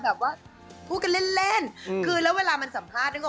แบบนี้ก็พวกมันสัมภาษณ์